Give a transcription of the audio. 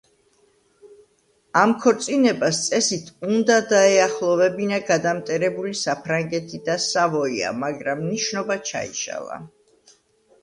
ამ ქორწინებას წესით უნდა დაეახლოვებინა გადამტერებული საფრანგეთი და სავოია, მაგრამ ნიშნობა ჩაიშალა.